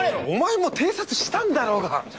お前も偵察したんだろうが！